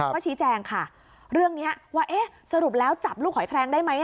ก็ชี้แจงค่ะเรื่องนี้ว่าเอ๊ะสรุปแล้วจับลูกหอยแคลงได้ไหม